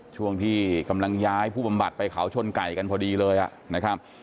ช่วงที่กำลังย้ายผู้บำบัดไปเขาชนไก่กันพอดีเลยนะครับ